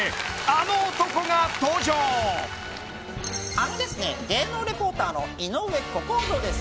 あのですね芸能リポーターの井上小公造です。